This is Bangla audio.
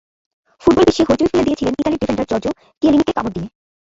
ফুটবল বিশ্বে হইচই ফেলে দিয়েছিলেন ইতালির ডিফেন্ডার জর্জো কিয়েলিনিকে কামড় দিয়ে।